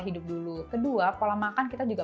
hidup dulu kedua pola makan kita juga